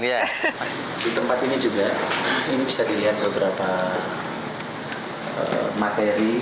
ya di tempat ini juga ini bisa dilihat beberapa materi